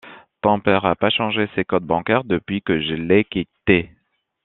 Ton père a pas changé ses codes bancaires depuis que je l'ai quitté.